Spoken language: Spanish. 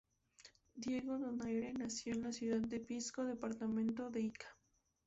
Diego Donayre nació en la ciudad de Pisco, departamento de Ica.